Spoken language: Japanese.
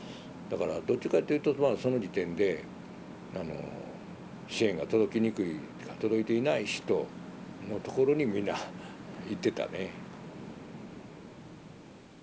だからどっちかっていうとまあその時点で支援が届きにくいてか届いていない人のところに皆行ってたね。